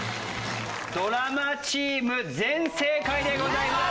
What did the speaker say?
ドラマチーム全正解でございます。